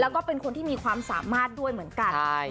แล้วก็เป็นคนที่มีความสามารถด้วยเหมือนกัน